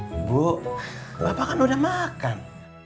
ibu bapak kan udah makan